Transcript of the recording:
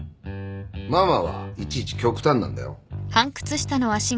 ママはいちいち極端なんだよ。